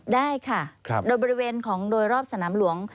ได้ค่ะโดยบริเวณของโดยรอบสนามหลวง